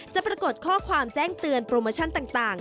ปรากฏข้อความแจ้งเตือนโปรโมชั่นต่าง